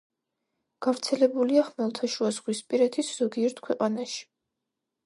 გავრცელებულია ხმელთაშუაზღვისპირეთის ზოგიერთ ქვეყანაში.